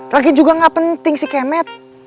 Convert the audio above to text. lagi juga gak penting si kemet